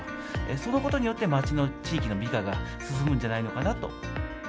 そのことによって、街の、地域の美化が進むんじゃないのかなと。